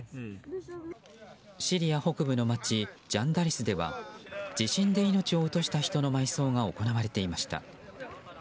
シリア北部の街ジャンダリスでは地震で命を落とした人の埋葬が行われていました。